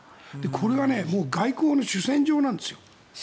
これは外交の主戦場なんですよ。